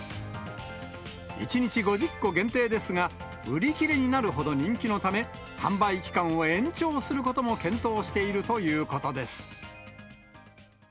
１日５０個限定ですが、売り切れになるほど人気のため、販売期間を延長することも検討しているということです。